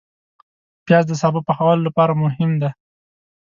پیاز د سابه پخولو لپاره مهم دی